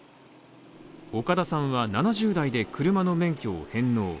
岡田さんは７０代で車の免許を返納。